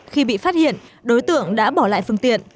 khi bị phát hiện đối tượng đã bỏ lại phương tiện